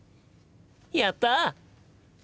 やった！